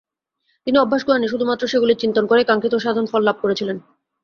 তিনি অভ্যাস করেননি, শুধুমাত্র সেগুলির চিন্তন করেই কাঙ্ক্ষিত সাধনফল লাভ করেছিলেন।